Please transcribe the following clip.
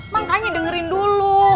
makanya dengerin dulu